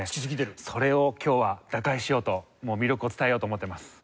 それを今日は打開しようと魅力を伝えようと思ってます。